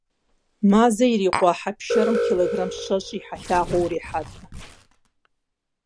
Мазэ ирикъуа хьэ пшырым килограмм щэщӏ и хьэлъагъыу урохьэлӀэ.